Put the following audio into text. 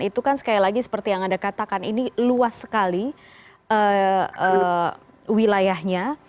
itu kan sekali lagi seperti yang anda katakan ini luas sekali wilayahnya